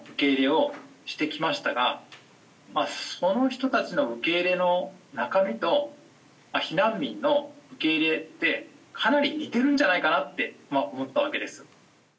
その人たちの受け入れの中身と避難民の受け入れってかなり似てるんじゃないかなって思ったわけです。